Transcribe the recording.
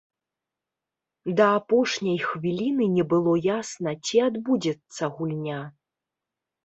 Да апошняй хвіліны не было ясна, ці адбудзецца гульня.